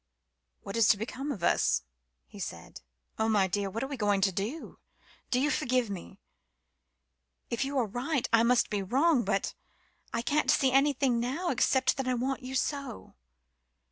"What is to become of us?" he said. "Oh, my dear what are we to do? Do you forgive me? If you are right, I must be wrong but I can't see anything now except that I want you so."